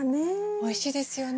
おいしいですよね。